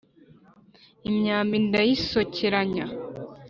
imyambi ndayisokeranya